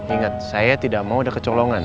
ingat saya tidak mau ada kecolongan